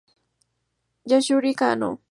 Yasuhiro Kanō